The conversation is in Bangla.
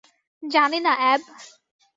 জানি না, অ্যাব।